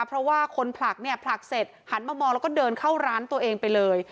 เพราะว่าคนผลักเนี่ยผลักเสร็จหันมามองแล้วก็เดินเข้าร้านตัวเองไปเลย